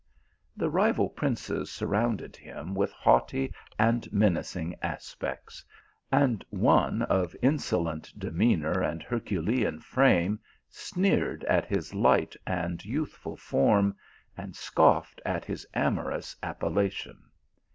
The rival princes surrounded him with haughty and menacing aspects, and one of insolent demeanour and Herculean frame sneered at his light and youth ful form, and scoffed at his amorous appellation.